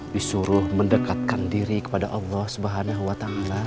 disuruh mendekatkan diri kepada allah swt